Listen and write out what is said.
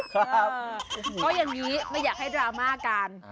เพราะอย่างนี้ไม่อยากให้ดราม่าการ